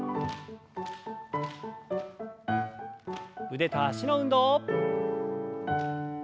腕と脚の運動。